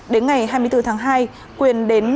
đến ngày hai mươi bốn tháng hai quyền đến cơ quan cảnh sát